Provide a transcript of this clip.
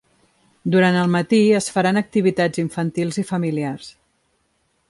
Durant el matí es faran activitats infantils i familiars.